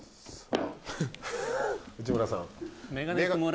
内村さん。